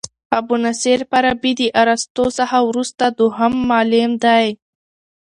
ابو نصر فارابي د ارسطو څخه وروسته دوهم معلم دئ.